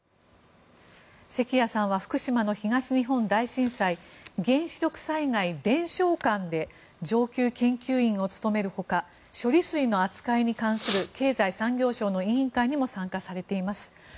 関谷さんは福島の東日本大震災原子力災害伝承館で上級研究員を務める他処理水の扱いに関する経済産業省の委員会にも参加されています。